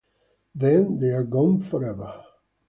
Then they're gone forever.